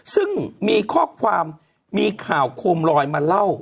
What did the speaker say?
ซึ่งมีข้อความมีข่าวโคมลอยมาเล่า